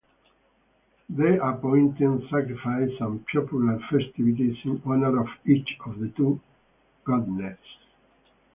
They appointed sacrifices and popular festivities in honor of each of the two goddesses.